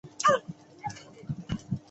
旅游文学指内容与旅游相关的创作。